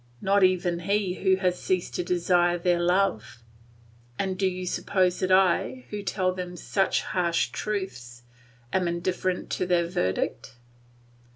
not even he who has ceased to desire their love. And do you suppose that I, who tell them such harsh truths, am indifferent to their verdict?